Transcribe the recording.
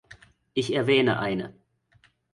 Ich erwähne eine.